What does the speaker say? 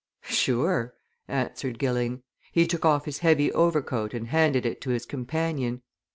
"Sure!" answered Gilling. He took off his heavy overcoat and handed it to his companion.